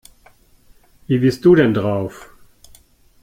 Wie bist du denn drauf?